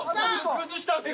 崩したんすよ。